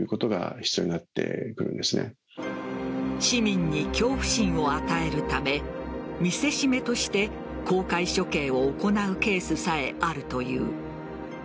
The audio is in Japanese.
市民に恐怖心を与えるため見せしめとして公開処刑を行うケースさえあるという。